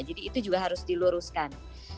jadi itu juga harus diluruskan